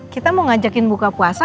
kita mau ngajakin buka puasa